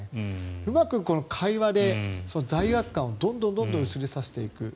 うまく会話で罪悪感をどんどん薄れさせていく。